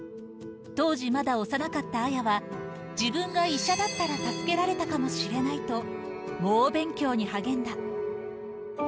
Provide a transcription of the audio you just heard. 当時、まだ幼かった綾は、自分が医者だったら助けられたかもしれないと、もう勉強に励んだ。